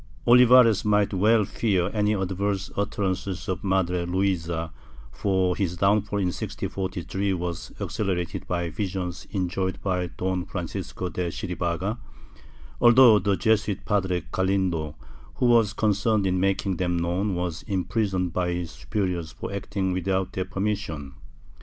Olivares might well fear any adverse utterances of Madre Luisa, for his downfall, in 1643, was accelerated by visions enjoyed by Don Francisco de Chiribaga, although the Jesuit Padre Galindo, who was concerned in making them known, was imprisoned by his superiors for acting without their permission.